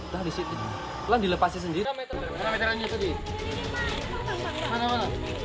nah disitu telah dilepas sendiri